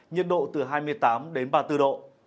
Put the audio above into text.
nhiệt độ từ hai mươi tám đến ba mươi bốn độ